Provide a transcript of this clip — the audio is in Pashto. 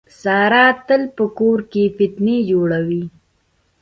ساره تل په کور کې فتنې جوړوي.